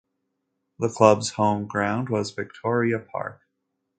The club's home ground was Victoria Park.